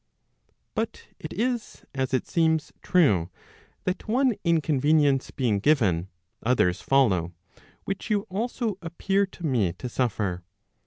But it is, as it seems, true, that one inconvenience being given, others follow, which you also appear to me to suffer.